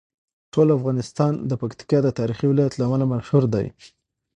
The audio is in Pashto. ټول افغانستان د پکتیکا د تاریخي ولایت له امله مشهور دی.